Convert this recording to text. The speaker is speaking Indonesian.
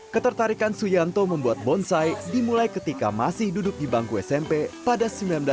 ketertarikan suyanto membuat bonsai dimulai ketika masih duduk di bangku smp pada seribu sembilan ratus sembilan puluh